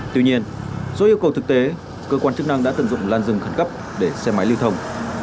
tuy nhiên do yêu cầu thực tế cơ quan chức năng đã tận dụng lan rừng khẩn cấp để xe máy lưu thông